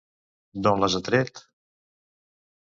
D'on les ha tret?